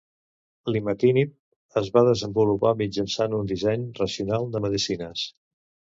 L'imatinib es va desenvolupar mitjançant un disseny racional de medicines.